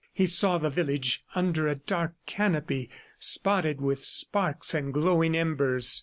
He saw the village under a dark canopy spotted with sparks and glowing embers.